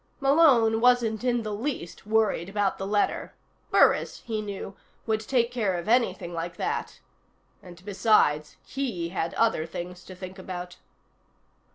Malone wasn't in the least worried about the letter. Burris, he knew, would take care of anything like that. And, besides, he had other things to think about.